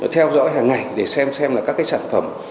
theo dõi hàng ngày để xem xem là các cái sản phẩm